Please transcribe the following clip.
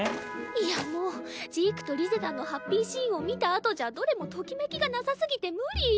いやもうジークとリゼたんのハッピーシーンを見たあとじゃどれもときめきがなさすぎて無理。